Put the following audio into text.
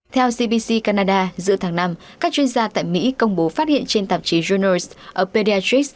theo cbc canada giữa tháng năm các chuyên gia tại mỹ công bố phát hiện trên tạp chí journalist of pediatrics